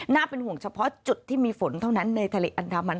เป็นห่วงเฉพาะจุดที่มีฝนเท่านั้นในทะเลอันดามัน